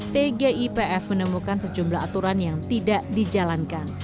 tgipf menemukan sejumlah aturan yang tidak dijalankan